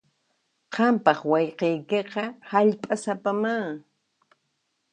Qampaq wayqiykiqa hallp'asapamá.